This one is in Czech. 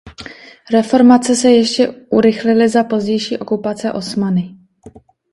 Reformace se ještě urychlila za pozdější okupace Osmany.